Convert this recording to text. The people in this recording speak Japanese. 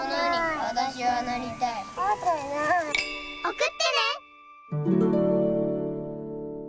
おくってね！